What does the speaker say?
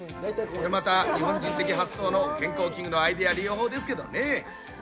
また、日本人的発想の健康器具のアイデア利用法ですけどね。